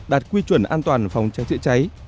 đạt quy chuẩn an toàn phòng cháy chữa cháy